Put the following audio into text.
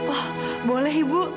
oh boleh ibu